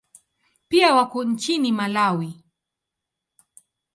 Pia wako nchini Malawi.